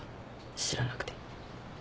知らなくて。